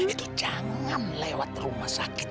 itu jangan lewat rumah sakit